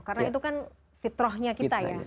karena itu kan fitrahnya kita ya